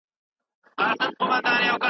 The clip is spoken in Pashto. روغ ژوند د خوشحالۍ سبب ګرځي.